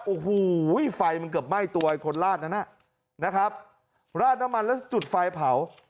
โอ้โหไฟมันเกือบไหม้ตัวไอ้คนลาดนั้นนะครับราดน้ำมันแล้วจุดไฟเผา